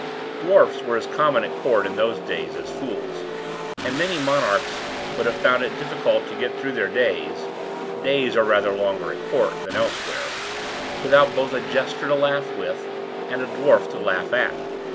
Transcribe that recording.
Dwarfs were as common at court, in those days, as fools; and many monarchs would have found it difficult to get through their days (days are rather longer at court than elsewhere) without both a jester to laugh with, and a dwarf to laugh at.